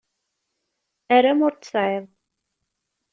Aram ur t-tesεiḍ.